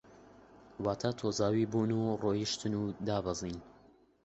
واتە تۆزاوی بوون و ڕۆیشتن و دابەزین